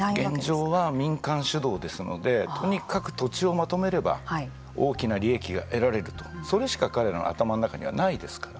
現状は民間主導ですのでとにかく土地をまとめれば大きな利益が得られるとそれしか彼らの頭の中にはないですから。